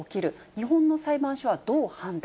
日本の裁判所はどう判断？